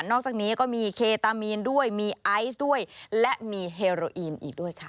อกจากนี้ก็มีเคตามีนด้วยมีไอซ์ด้วยและมีเฮโรอีนอีกด้วยค่ะ